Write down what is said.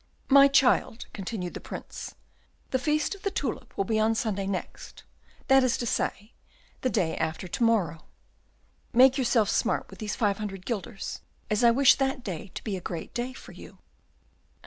"My child," continued the Prince, "the feast of the tulip will be on Sunday next, that is to say, the day after to morrow. Make yourself smart with these five hundred guilders, as I wish that day to be a great day for you."